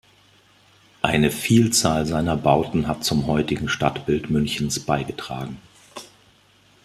Eine Vielzahl seiner Bauten hat zum heutigen Stadtbild Münchens beigetragen.